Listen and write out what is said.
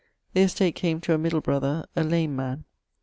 The estate came to a middle brother, a lame man.